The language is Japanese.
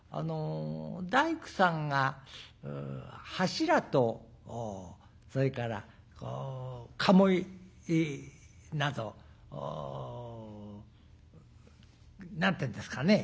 大工さんが柱とそれから鴨居なぞ何て言うんですかね